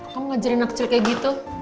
kamu ngajarin anak kecil kayak gitu